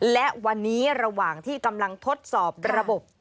และวันนี้ระหว่างที่กำลังทดสอบระบบ